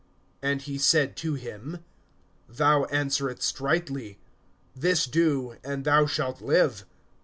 (28)And he said to him: Thou answeredst rightly. This do, and thou shalt live.